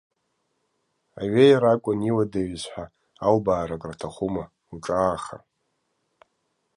Аҩеира акәын иуадаҩыз ҳәа, албаара акраҭахума, уҿааха.